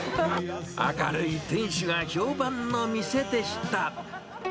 明るい店主が評判の店でした。